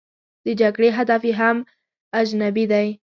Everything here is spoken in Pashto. د جګړې هدف یې هم اجنبي دی.